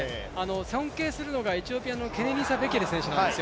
尊敬するのがエチオピアのべケレ選手なんですよ。